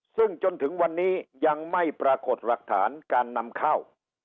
ซึ่งจนถึงวันนี้ยังไม่ปรากฏหลักฐานการนำเข้า